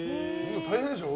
大変でしょう。